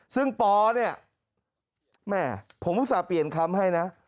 ซึ่งปเนี่ยแม่ผมอุตส่าห์เปลี่ยนคำให้นะ